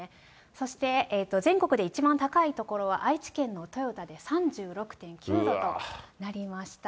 そして全国で一番高い所は愛知県の豊田で３６．９度となりました。